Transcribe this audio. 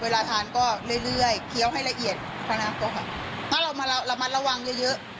เวลาทานก็เรื่อยเรื่อยเคี้ยวให้ละเอียดทั้งนั้นก็ค่ะถ้าเรามาระมัดระวังเยอะเยอะ